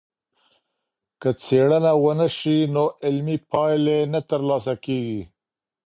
که څېړنه ونسي، نو علمي پايلې نه ترلاسه کيږي.